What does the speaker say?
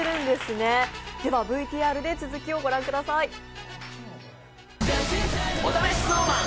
ではＶＴＲで続きをご覧ください。